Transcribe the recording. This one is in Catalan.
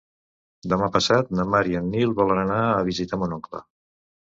Demà passat na Mar i en Nil volen anar a visitar mon oncle.